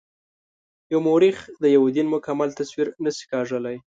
یو مورخ د یوه دین مکمل تصویر نه شي کاږلای.